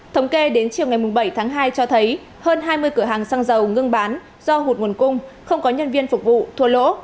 thống kê đến chiều ngày bảy tháng hai cho thấy hơn hai mươi cửa hàng xăng dầu ngưng bán do hụt nguồn cung không có nhân viên phục vụ thua lỗ